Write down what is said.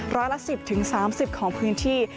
ร้อยละ๑๐๓๐ของพื้นที่